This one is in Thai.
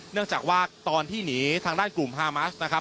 เนื่องจากว่าตอนที่หนีทางด้านกลุ่มฮามัสนะครับ